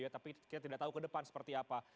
tapi kita tidak tahu ke depan seperti apa